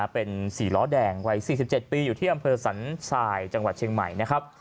เป็นสี่ล้อแดงวัยสี่สิบเจ็ดปีอยู่ที่อำเภษศัลจังหวัดเชียงใหม่นะครับ